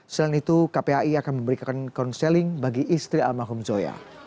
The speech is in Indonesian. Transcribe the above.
selain itu kpai akan memberikan konseling bagi istri almarhum zoya